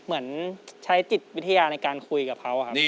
เหมือนใช้จิตวิทยาในการคุยกับเขาครับ